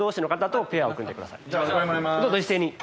どうぞ一斉に。